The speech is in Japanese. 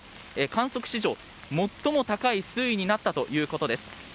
観測史上最も高い水位になったということです。